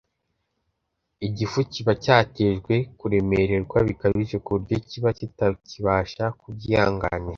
Igifu kiba cyatejwe kuremererwa bikabije ku buryo kiba kitakibasha kubyihanganira,